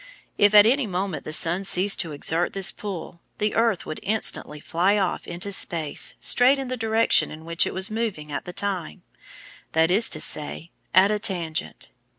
If at any moment the sun ceased to exert this pull the earth would instantly fly off into space straight in the direction in which it was moving at the time, that is to say, at a tangent.